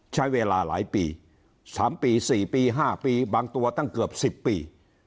ใช้เวลาหลายปี๓ปี๔ปี๕ปีบางตัวตั้งเกือบ๑๐ปี